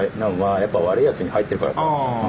やっぱ悪いやつに入ってるからかも。